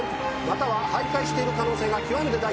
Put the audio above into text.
または徘徊している可能性が極めて大。